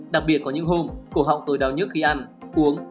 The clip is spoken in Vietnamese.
đặc biệt có những hôm cổ họng tôi đau nhất khi ăn uống